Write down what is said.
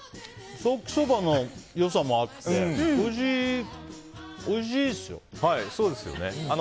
ソーキそばの良さもあっておいしいですよ。